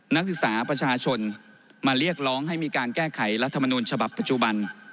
นักศึกษาประชาชนมาเรียกร้องให้มีการแก้ไขรัฐมนุนฉบับปัจจุบัน